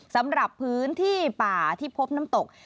สำหรับพื้นที่ป่าที่พบน้ำตก